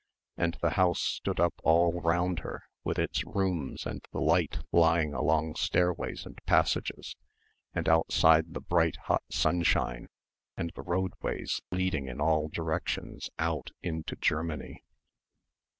And the house stood up all round her with its rooms and the light lying along stairways and passages, and outside the bright hot sunshine and the roadways leading in all directions, out into Germany.